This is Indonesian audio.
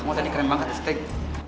sumpah kamu tadi keren banget di stage